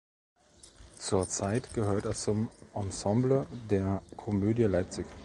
Zurzeit gehört er zum Ensemble der Komödie Leipzig.